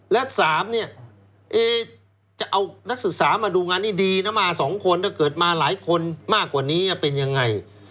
และ๓เนี่ยจะเอานักศึกษามาดูงานนี้ดีนะมา๒คนถ้าเกิดมาหลายคนมากกว่านี้เป็นยังไง